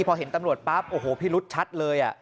พอเห็นตำรวจปั๊บโอ้โหพิรุษชัดเลย